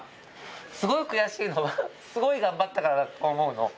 すごい悔しいのは、すごい頑張ったからだと思うの。